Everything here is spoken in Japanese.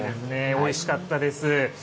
おいしかったです。